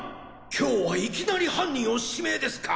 今日はいきなり犯人を指名ですか！